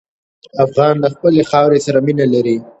افغان له خپلې خاورې سره مینه لري.